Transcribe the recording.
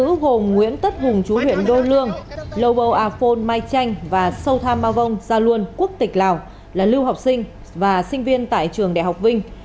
chú hồ nguyễn tất hùng chú huyện đô lương lô bầu a phôn mai tranh và sâu tham ma vông gia luân quốc tịch lào là lưu học sinh và sinh viên tại trường đại học vinh